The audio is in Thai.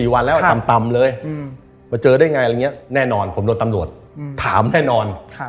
วันแล้วต่ำเลยมาเจอได้ไงอะไรอย่างนี้แน่นอนผมโดนตำรวจถามแน่นอน